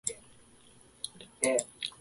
出しちゃえよそこに